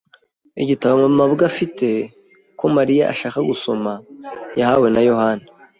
Igitabo mabwa afite ko Mariya ashaka gusoma yahawe na Yohana.